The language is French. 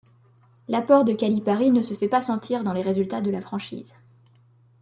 L'apport de Calipari ne se fait pas sentir dans les résultats de la franchise.